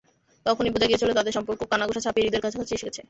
তখনই বোঝা গিয়েছিল তাঁদের সম্পর্ক কানাঘুষা ছাপিয়ে হৃদয়ের কাছাকাছি এসে গেছে।